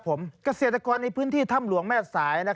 เกษียรรษ์ราคกรในพื้นที่ธ่ำหลวงแม่ศราย